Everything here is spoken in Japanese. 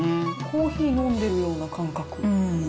コーヒー飲んでるような感覚。